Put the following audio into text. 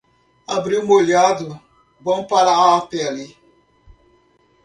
Abril molhado, bom para a pele.